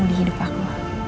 untuk kamu di hidup aku